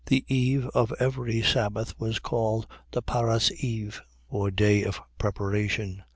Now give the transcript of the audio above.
The eve of every sabbath was called the parasceve, or day of preparation.